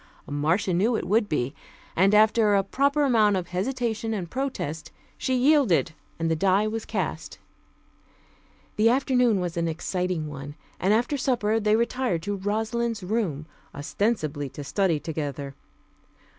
Marcia knew it would be, and after a proper amount of hesitation and protest, she yielded, and the die was cast. The afternoon was an exciting one, and after supper they retired to Rosalind's room, ostensibly to study together.